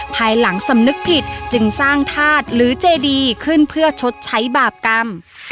ภายหลังสำนึกผิดจึงสร้างธาตุหรือเจดีขึ้นเพื่อชดใช้บาปกรรม